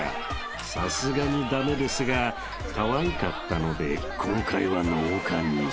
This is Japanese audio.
［さすがに駄目ですがかわいかったので今回はノーカンにします］